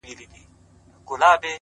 د خپلي ژبي په بلا،